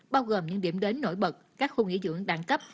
bao gồm những điểm đến nổi bật các khu nghỉ dưỡng đẳng cấp